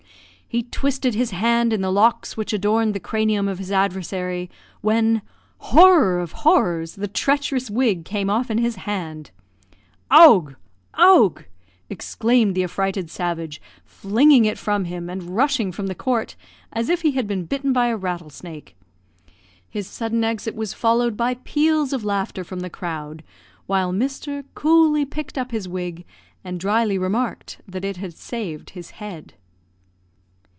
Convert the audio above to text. He twisted his hand in the looks which adorned the cranium of his adversary, when horror of horrors! the treacherous wig came off in his hand, "Owgh! owgh!" exclaimed the affrighted savage, flinging it from him, and rushing from the court as if he had been bitten by a rattlesnake. His sudden exit was followed by peals of laughter from the crowd, while Mr. coolly picked up his wig, and drily remarked that it had saved his head.